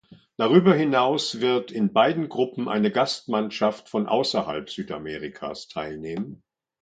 Darüber hinaus wird in beiden Gruppen eine Gastmannschaft von außerhalb Südamerikas teilnehmen.